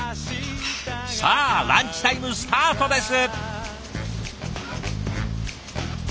さあランチタイムスタートです。